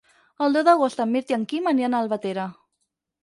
El deu d'agost en Mirt i en Quim aniran a Albatera.